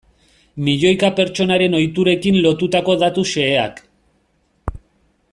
Milioika pertsonaren ohiturekin lotutako datu xeheak.